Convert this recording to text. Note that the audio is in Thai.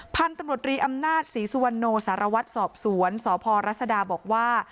พันธุ์ตำรวจรีอำนาจศรีสุวรรณโนสารวัตรสอบสวนสพรัศดาบอกว่า